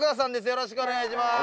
よろしくお願いします！